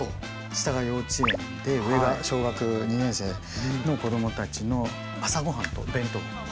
下が幼稚園で上が小学２年生の子どもたちの朝ごはんとお弁当を。